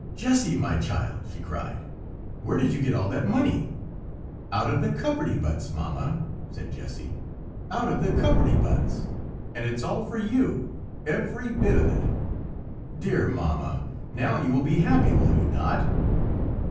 "Jessy, my child!" she cried, "where did you get all that money?" "Out of the cupperty buts, Mamma!" said Jessy, "out of the cupperty buts! and it's all for you, every bit of it! Dear Mamma, now you will be happy, will you not?"